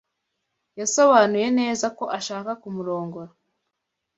Yasobanuye neza ko ashaka kumurongora.